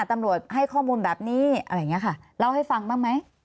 ตำรวจให้ข้อมูลแบบนี้อะไรอย่างนี้ค่ะเล่าให้ฟังบ้างไหม